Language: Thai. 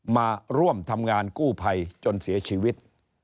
มาร่วมทำงานกู้ภัยจนเสียชีวิต